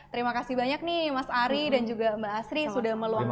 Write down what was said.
terima kasih banyak nih mas ari dan juga mbak asri sudah meluangkan